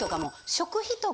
食費とか。